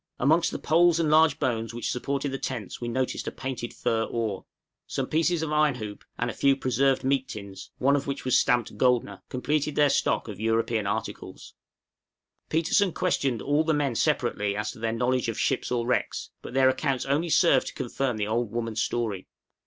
Amongst the poles and large bones which supported the tents we noticed a painted fir oar. Some pieces of iron hoop and a few preserved meat tins one of which was stamped "Goldner," completed their stock of European articles. {NO INTELLIGENCE OF FRANKLIN.} Petersen questioned all the men separately as to their knowledge of ships or wrecks; but their accounts only served to confirm the old woman's story.